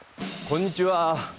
こんにちは。